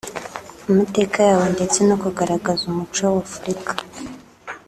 amateka yabo ndetse no kugaragaza umuco wa Afurika